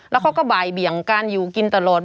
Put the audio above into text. แล้วเขาก็บ่ายเบี่ยงการอยู่กินตลอด